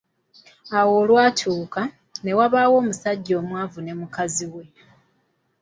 Awo olwatuuka, ne wabaawo omusajja omwavu ne mukazi we.